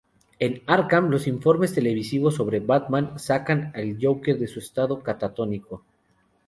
En Arkham, los informes televisivos sobre Batman sacan al Joker de su estado catatónico.